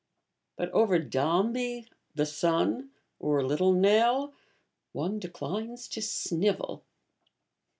But over Dombey (the Son), or Little Nell, one declines to snivel.